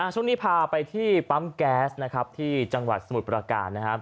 ช่วงนี้พาไปที่ปั๊มแก๊สนะครับที่จังหวัดสมุทรประการนะครับ